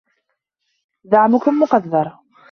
دعمكم مقدر